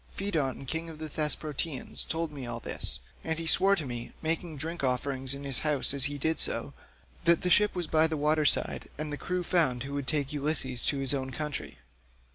Pheidon king of the Thesprotians told me all this, and he swore to me—making drink offerings in his house as he did so—that the ship was by the water side and the crew found who would take Ulysses to his own country.